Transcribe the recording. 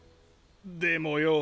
でもよ